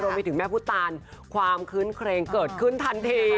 ไปถึงแม่พุทธตานความคื้นเครงเกิดขึ้นทันที